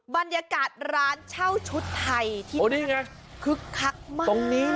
บรรยากาศร้านเช่าชุดไทยคุกคักมาก